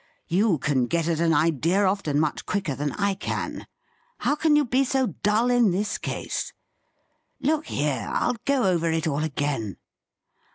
You can get at an idea often much quicker than I can. How can you be so dull in this case ? Look here, Fll go over it all again.